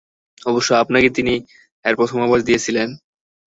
অবশ্য আপনাকেই তিনি এর প্রথম আভাস দিয়েছিলেন।